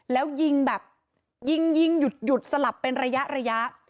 แล้วยิงแบบยิงยิงหยุดสลับเป็นระยะ